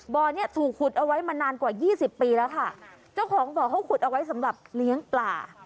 บ่อเนี้ยถูกขุดเอาไว้มานานกว่ายี่สิบปีแล้วค่ะเจ้าของบ่อเขาขุดเอาไว้สำหรับเลี้ยงปลา